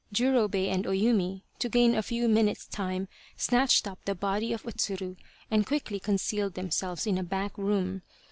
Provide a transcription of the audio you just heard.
Jurobei and O Yumi, to gain a few minutes' time, snatched up the body of O Tsuru and quickly con cealed themselves in a back room.